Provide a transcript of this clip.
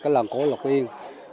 cái làng cổ lộc yên